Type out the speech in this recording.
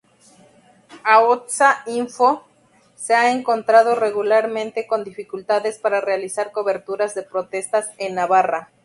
Ahotsa.info se ha encontrado regularmente con dificultades para realizar coberturas de protestas en Navarra.